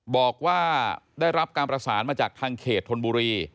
บอกว่าได้รับการประสานมาจากทางเขตธนบุรี